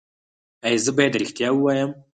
ایا زه باید ریښتیا ووایم؟